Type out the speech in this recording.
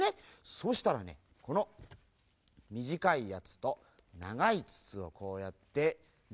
そうしたらねこのみじかいやつとながいつつをこうやってジャン！